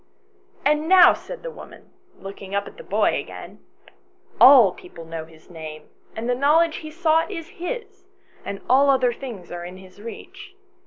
And now," said the woman, looking up at the boy again, " all people know his name, and the knowledge he sought is his, and all other things are in his reach.